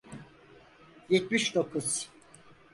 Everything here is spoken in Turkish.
Yetmiş dokuz.